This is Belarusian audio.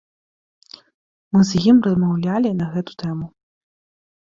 Мы з ім размаўлялі на гэту тэму.